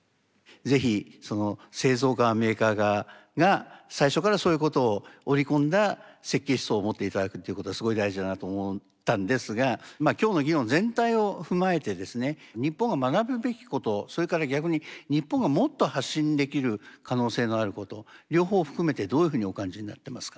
是非その製造側メーカー側が最初からそういうことを折り込んだ設計思想を持って頂くっていうことはすごい大事だなと思ったんですがまあ今日の議論全体を踏まえてですね日本が学ぶべきことそれから逆に日本がもっと発信できる可能性のあること両方含めてどういうふうにお感じになってますか。